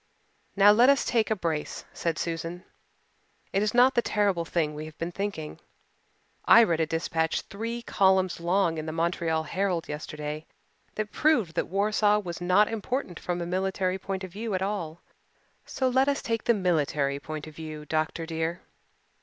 "Now, let us take a brace," said Susan. "It is not the terrible thing we have been thinking. I read a dispatch three columns long in the Montreal Herald yesterday that proved that Warsaw was not important from a military point of view at all. So let us take the military point of view, doctor dear."